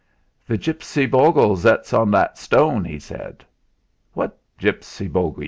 "The gipsy bogle zets on that stone," he said. "What gipsy bogie?"